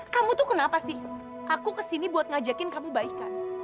kamu tuh kenapa sih aku kesini buat ngajakin kamu baikan